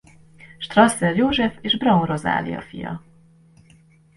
Strasser József és Braun Rozália fia.